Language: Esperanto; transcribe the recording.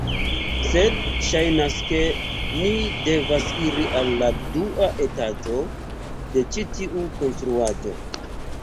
Sed ŝajnas ke ni devas iri al la dua etaĝo de ĉi tiu konstruaĵo